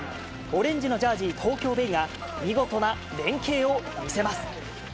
オレンジのジャージ、東京ベイが見事な連係を見せます。